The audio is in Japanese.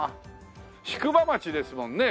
宿場町ですもんね